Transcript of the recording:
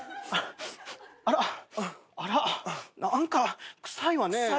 あら？